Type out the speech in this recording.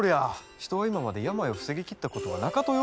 人は今まで病を防ぎきったことはなかとよ！